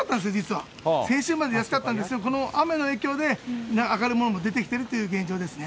先週まで安かったんですけど、この雨の影響で、上がるものも出てきているという現状ですね。